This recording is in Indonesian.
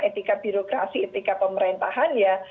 etika birokrasi etika pemerintahan ya